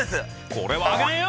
これはあげねえよ！